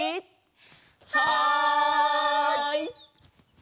はい！